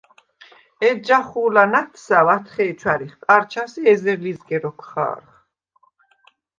ეჯ ჯახუ̄ლა̈ ნა̈თსა̈ვ ათხე̄ჲ ჩვა̈რიხ ყა̈რჩას ი ეზერ ლიზგე როქვ ხა̄რხ.